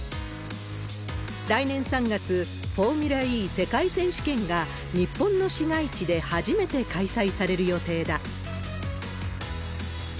来年３月、フォーミュラＥ世界選手権が日本の市街地で初めて開催される予定だ。